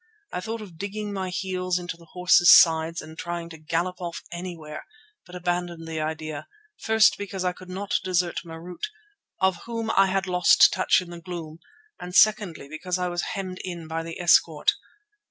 I thought of digging my heels into the horse's sides and trying to gallop off anywhere, but abandoned the idea, first because I could not desert Marût, of whom I had lost touch in the gloom, and secondly because I was hemmed in by the escort.